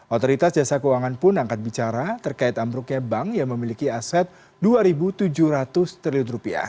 otoritas jasa keuangan pun angkat bicara terkait ambruknya bank yang memiliki aset rp dua tujuh ratus triliun